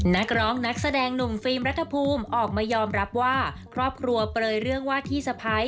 นักร้องนักแสดงหนุ่มฟิล์มรัฐภูมิออกมายอมรับว่าครอบครัวเปลยเรื่องว่าที่สะพ้าย